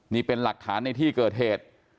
นี่เป็นหลักฐานในที่เกิดเหตุ